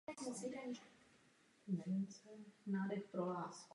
Cílem musí být řešení základních příčin nezákonného přistěhovalectví.